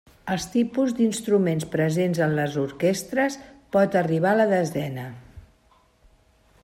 Els tipus d'instruments presents en les orquestres pot arribar a la desena.